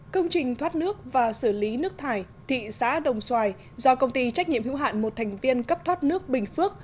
công trình thoát nước và xử lý nước thải thị xã đồng xoài do công ty trách nhiệm hữu hạn một thành viên cấp thoát nước bình phước